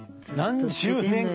何十年間。